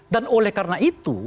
dan oleh karena itu